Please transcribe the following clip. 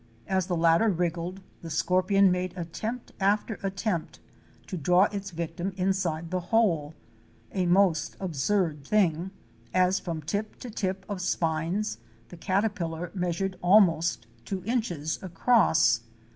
As the latter wriggled, the scorpion made attempt after at tempt to draw its victim inside the hole, a most absurd thing, as from tip to tip of spines the caterpillar measured almost two inches across.